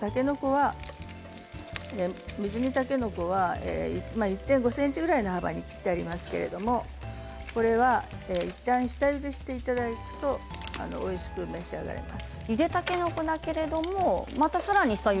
水煮たけのこは１．５ｃｍぐらいの幅に切ってありますけれどこれはいったん下ゆでしていただくとおいしく召し上がれます。